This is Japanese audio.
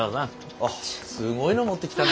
おおすごいの持ってきたね。